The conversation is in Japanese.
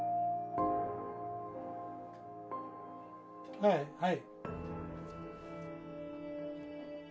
はいはい。